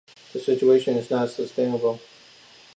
The situation is not sustainable.